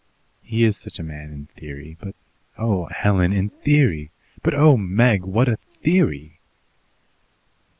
"He is such a man in theory. But oh, Helen, in theory!" "But oh, Meg, what a theory!"